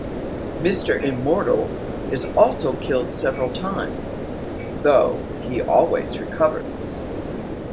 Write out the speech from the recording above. Mr. Immortal is also killed several times, though he always recovers.